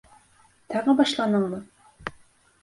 Тағы башланыңмы?